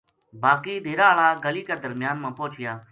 باقی ڈیرا ہالا گلی کا درمیان ما پوہچیا